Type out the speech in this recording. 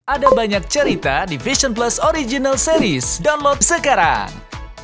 ada banyak cerita di vision plus original series download sekarang